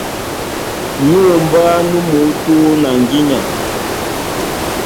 Ní unmbá nú muútú na ŋgínya.